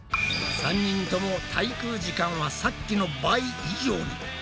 ３人とも滞空時間はさっきの倍以上に！